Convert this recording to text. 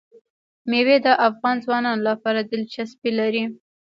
مېوې د افغان ځوانانو لپاره دلچسپي لري.